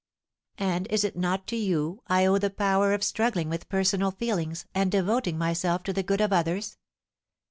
"And is it not to you I owe the power of struggling with personal feelings and devoting myself to the good of others?